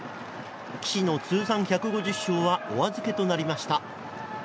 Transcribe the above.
岸の通算１５０勝はお預けとなりました。